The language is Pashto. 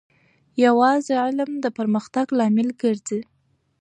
یوازې علم د پرمختګ لامل ګرځي.